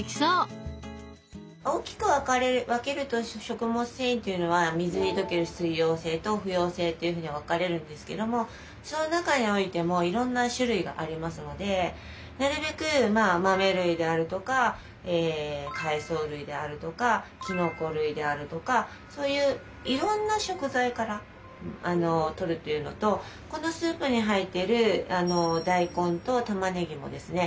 大きく分けると食物繊維っていうのは水に溶ける水溶性と不溶性っていうふうに分かれるんですけどもその中においてもいろんな種類がありますのでなるべくまあ豆類であるとか海藻類であるとかキノコ類であるとかそういういろんな食材からとるというのとこのスープに入っている大根と玉ねぎもですね